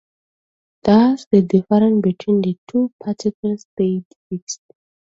Thus, the difference between the two particles stays fixed.